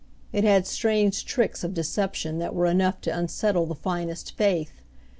It had strange tricks of deception that were enough to unsettle the finest faith.